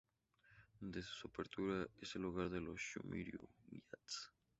Desde su apertura es el hogar de los Yomiuri Giants.